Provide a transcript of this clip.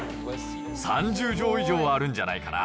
３０畳以上あるんじゃないかな？